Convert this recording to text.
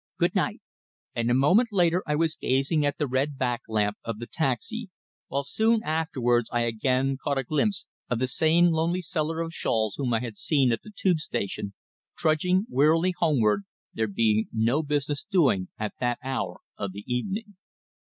"Good night." And a moment later I was gazing at the red back lamp of the taxi, while soon afterwards I again caught a glimpse of the same lonely seller of shawls whom I had seen at the Tube station, trudging wearily homeward, there being no business doing at that hour of the evening.